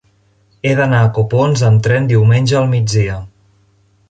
He d'anar a Copons amb tren diumenge al migdia.